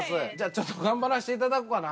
ちょっと頑張らせていただくわな。